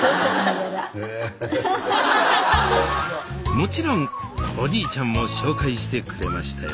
もちろんおじいちゃんも紹介してくれましたよ